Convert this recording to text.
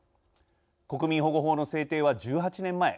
国民保護法の制定は１８年前。